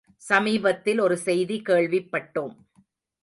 சமீபத்தில் ஒரு செய்தி கேள்விப்பட்டோம்.